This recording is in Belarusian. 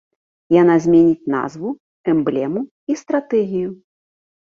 Яна зменіць назву, эмблему і стратэгію.